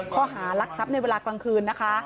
ข้อหารักทรัพย์ในเวลากลางคืนนะคะ